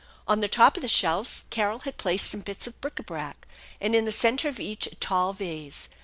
On the top of the shelves Carol had placed some bits of bric a brac, and in the centre of each a tall vase.